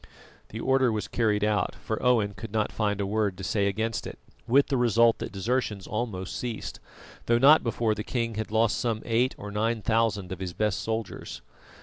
The order was carried out, for Owen could not find a word to say against it, with the result that desertions almost ceased, though not before the king had lost some eight or nine thousand of his best soldiers.